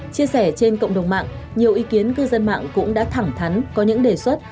chia sẻ trên cộng đồng mạng nhiều ý kiến cư dân mạng cũng đã thẳng thắn có những đề xuất